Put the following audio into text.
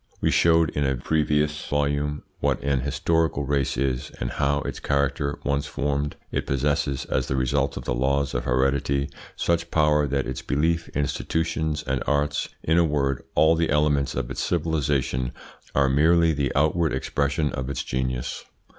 We showed, in a previous volume, what an historical race is, and how, its character once formed, it possesses, as the result of the laws of heredity such power that its beliefs, institutions, and arts in a word, all the elements of its civilisation are merely the outward expression of its genius.